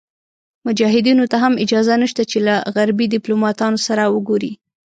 مجاهدینو ته هم اجازه نشته چې له غربي دیپلوماتانو سره وګوري.